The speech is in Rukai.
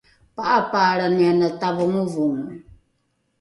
pa’apaalrani ana tavongovongo